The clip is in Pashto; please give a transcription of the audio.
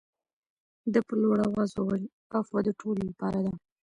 ده په لوړ آواز وویل عفوه د ټولو لپاره ده.